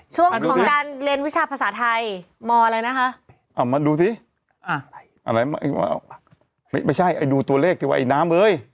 ช่วงของการเรียนวิชาภาษาไทยมอะไรนะคะเอามาดูสิอะไรไม่ใช่ไอ้ดูตัวเลขสิว่าไอ้น้ำเอ้ย